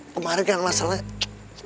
kemarin kan masalahnya